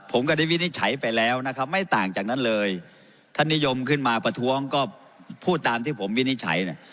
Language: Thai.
ผมก็ได้วินิจฉัยไปแล้วนะครับไม่ต่างจากนั้นเลยท่านนิยมขึ้นมาประท้วงก็พูดตามที่ผมวินิจฉัยเนี่ย